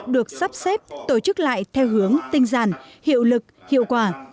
được sắp xếp tổ chức lại theo hướng tinh giản hiệu lực hiệu quả